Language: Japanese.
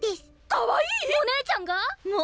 かわいい⁉お姉ちゃんが⁉も！